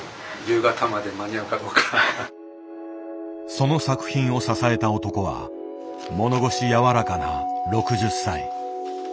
その作品を支えた男は物腰柔らかな６０歳。